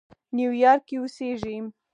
نیویارک کې اوسېږي.